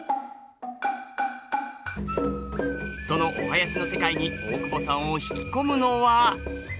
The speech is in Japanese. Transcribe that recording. そのお囃子の世界に大久保さんを引き込むのは。